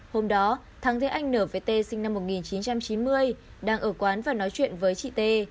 hôm đó thắng thấy anh nở với t sinh năm một nghìn chín trăm chín mươi đang ở quán và nói chuyện với chị t